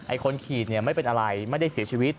ไอ้คนขีดไม่เป็นอะไรไม่ได้เสียชีวิต